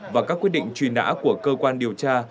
và các quyết định truy nã của cơ quan điều tra